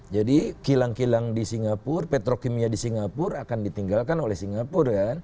jadi kilang kilang di singapura petro kimia di singapura akan ditinggalkan oleh singapura